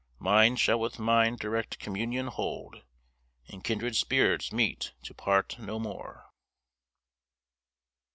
Mind shall with mind direct communion hold, And kindred spirits meet to part no more.